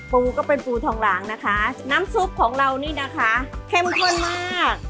ปูก็เป็นปูทองหลางนะคะน้ำซุปของเรานี่นะคะเข้มข้นมาก